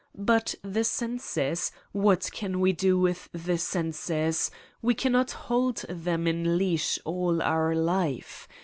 But the senses, what can we do with the senses, we cannot hold them in leash all our life